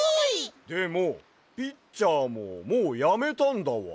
でもピッチャーももうやめたんだわ。